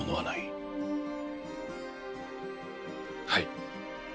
はい。